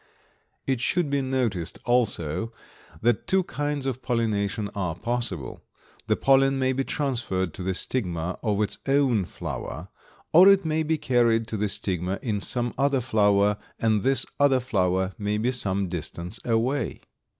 It should be noticed, also, that two kinds of pollination are possible. The pollen may be transferred to the stigma of its own flower, or it may be carried to the stigma in some other flower, and this other flower may be some distance away.